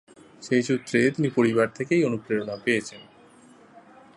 সেই সূত্রে তিনি পরিবার থেকেই অনুপ্রেরণা পেয়েছেন।